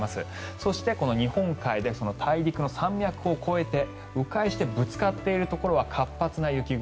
そして、日本海で大陸の山脈を越えて迂回してぶつかっているところは活発な雪雲。